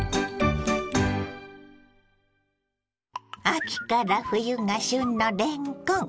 秋から冬が旬のれんこん。